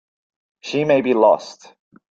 She may be lost.